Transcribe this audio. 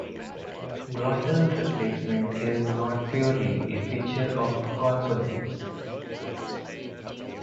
Glottal replacement is not purely a feature of consonants.